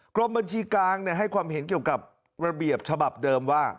กรมบัญชีกลางให้ความเห็นเกี่ยวกับระเบียบฉบับเดิมว่า